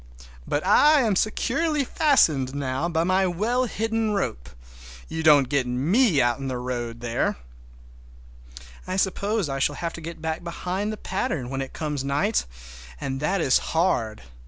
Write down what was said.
But I am securely fastened now by my well hidden rope—you don't get me out in the road there! I suppose I shall have to get back behind the pattern when it comes night, and that is hard!